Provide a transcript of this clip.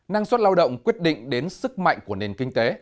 năng suất lao động quyết định đến sức mạnh của nền kinh tế